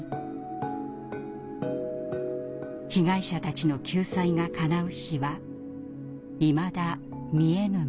被害者たちの救済がかなう日はいまだ見えぬままです。